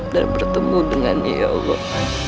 dan bertemu dengannya ya allah